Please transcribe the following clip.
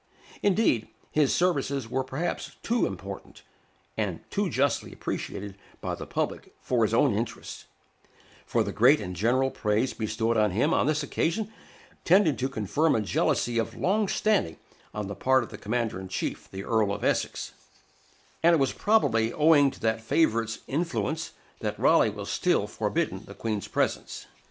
Indeed, his services were perhaps too important, and too justly appreciated by the public, for his own interests; for the great and general praise bestowed on him on this occasion tended to confirm a jealousy of long standing on the part of the commander in chief, the Earl of Essex; and it was probably owing to that favorite's influence that Raleigh was still forbidden the Queen's presence.